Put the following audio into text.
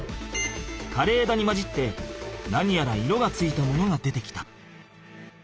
かれえだに交じって何やら色がついたものが出てきた。